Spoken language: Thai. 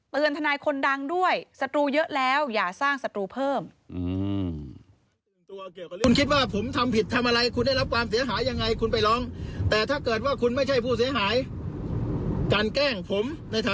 ทนายคนดังด้วยศัตรูเยอะแล้วอย่าสร้างศัตรูเพิ่ม